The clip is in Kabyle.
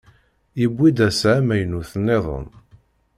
Yewwi-d ass-a amaynut-nniḍen.